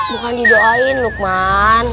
bukan di doain lukman